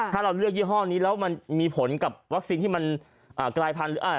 ถ้าเราเลือกยี่ห้อนี้แล้วมันมีผลกับวัคซีนที่มันกลายพันธุ์